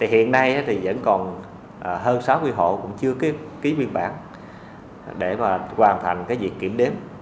hiện nay vẫn còn hơn sáu mươi hộ cũng chưa ký nguyên bản để hoàn thành việc kiểm đếm